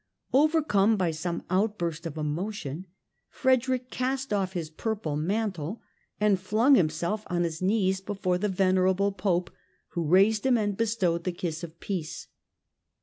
Overcome by some outburst of emotion, Frederick cast off his purple mantle and flung himself on his knees before the venerable Pope, who raised him and bestowed the kiss of peace.